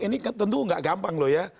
ini tentu tidak gampang loh ya